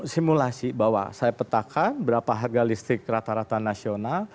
simulasi bahwa saya petakan berapa harga listrik rata rata nasional